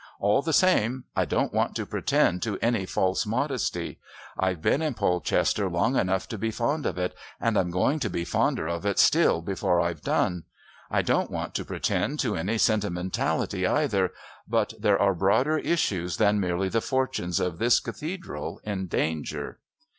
All the same, I don't want to pretend to any false modesty. I've been in Polchester long enough to be fond of it, and I'm going to be fonder of it still before I've done. I don't want to pretend to any sentimentality either, but there are broader issues than merely the fortunes of this Cathedral in danger.